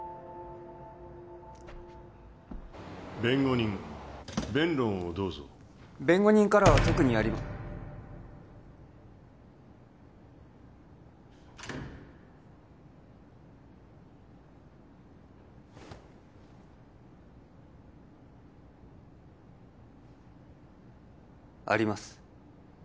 ・弁護人弁論をどうぞ弁護人からは特にありまあります